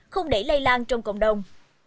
không để lây lan trong cộng đồng